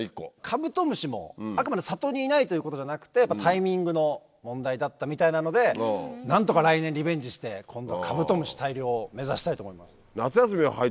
カブトムシもあくまで里にいないということじゃなくてタイミングの問題だったみたいなので何とか来年リベンジして今度はカブトムシ大量を目指したいと思います。